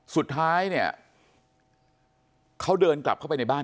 สุดท้ายเนี่ยเขาเดินกลับเข้าไปในบ้าน